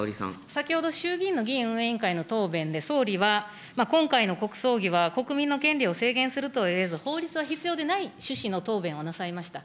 先ほど衆議院の議院運営委員会の答弁で総理は、今回の国葬儀は、国民の権利を制限するといえず、法律は必要でない趣旨の答弁をなさいました。